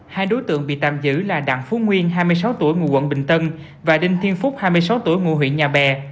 hai đối tượng bị tạm giữ là đặng phú nguyên hai mươi sáu tuổi ngụ quận bình tân và đinh thiên phúc hai mươi sáu tuổi ngụ huyện nhà bè